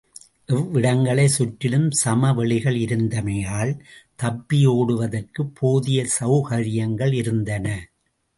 இவ்விடங்களைச் சுற்றிலும் சமவெளிகள் இருந்தமையால் தப்பியோடுவதற்குப் போதிய செளகரியங்கள் இருந்தன.